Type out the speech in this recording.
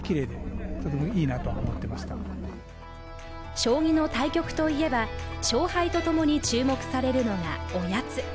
将棋の対局といえば、勝敗とともに注目されるのがおやつ。